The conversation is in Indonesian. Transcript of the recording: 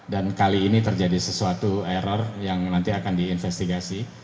dan kali ini terjadi sesuatu error yang nanti akan diinvestigasi